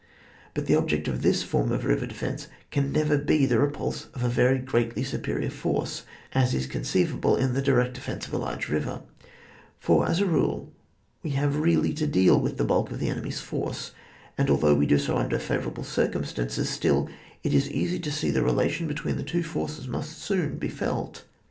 But the object of this form of river defence can never be the repidse of a very greatly superior force, as is conceiv able in the direct defence of a large river; for as a rule we have really to deal witli the bulk of the enemy's force, and al though we do so under favourable circum stances, still it is easy to see the relation between the forces must soon be felt.